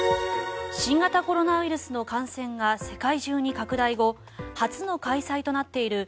新型コロナウイルスの感染が世界中に拡大後初の開催となっているＦＩＦＡ